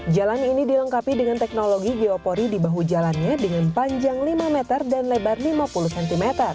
jalan ini dilengkapi dengan teknologi geopori di bahu jalannya dengan panjang lima meter dan lebar lima puluh cm